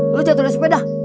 lu jatuh dari sepeda